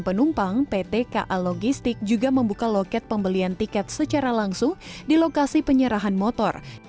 penumpang pt ka logistik juga membuka loket pembelian tiket secara langsung di lokasi penyerahan motor